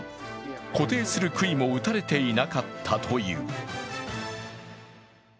固定するくいも打たれていなかったという。